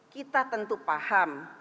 kita tentu paham